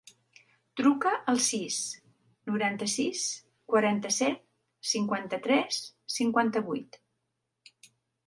Truca al sis, noranta-sis, quaranta-set, cinquanta-tres, cinquanta-vuit.